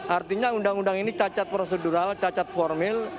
artinya undang undang ini cacat prosedural cacat formil